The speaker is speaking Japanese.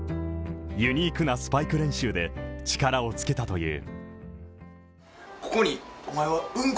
ユニークなスパイク練習で力をつけたという。